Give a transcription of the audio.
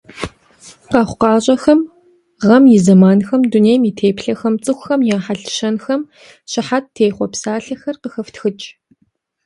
Къэхъукъащӏэхэм, гъэм и зэманхэм, дунейм и теплъэхэм, цӏыхухэм я хьэлщэнхэм щыхьэт техъуэ псалъэхэр къыхэфтхыкӏ.